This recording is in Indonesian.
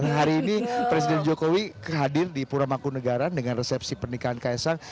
hari ini presiden jokowi hadir di pura mangkunegara dengan resepsi pernikahan kaisang